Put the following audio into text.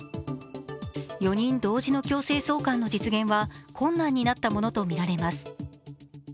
４人同時の強制送還の実現は困難になったものとみられます。